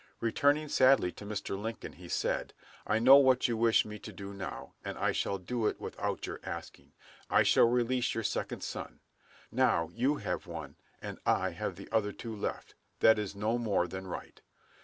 Returning sadly to Mr. Lincoln, he said, "I know what you wish me to do now, and I shall do it without your asking; I shall release your second son.... Now you have one, and I one of the other two left: that is no more than right."